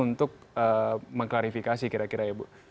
untuk mengklarifikasi kira kira ya ibu